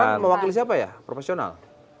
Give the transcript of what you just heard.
siapa mewakili siapa ya profesional